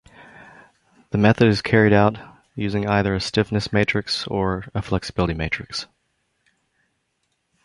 The method is carried out, using either a stiffness matrix or a flexibility matrix.